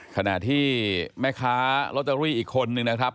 ขณะที่แม่ค้าลอตเตอรี่อีกคนนึงนะครับ